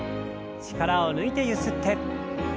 力を抜いてゆすって。